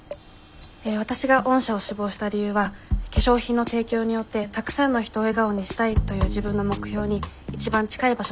えわたしが御社を志望した理由は化粧品の提供によってたくさんの人を笑顔にしたいという自分の目標に一番近い場所だと思ったからです。